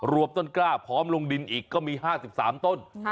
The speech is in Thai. วมต้นกล้าพร้อมลงดินอีกก็มี๕๓ต้น